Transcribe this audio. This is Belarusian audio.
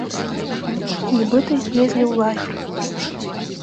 Нібыта іх везлі ў лагер.